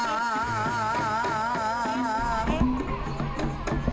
nah ini sudah hilang